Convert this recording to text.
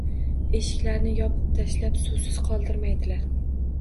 Eshiklarni yopib tashlab, suvsiz qoldirmaydilar